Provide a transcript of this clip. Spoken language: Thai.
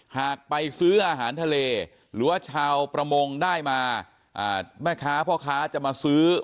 หากไปซื้ออาหารทะเลหรือว่าชาวประมงได้มาแม่ค้าพ่อค้าจะมาซื้อ